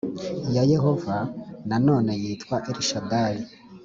ya Yehova Nanone yitwa elshadai